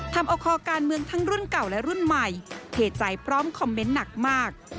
ทำเอาคอการเมืองทั้งรุ่นเก่าและรุ่นใหม่เทใจพร้อมคอมเมนต์หนักมาก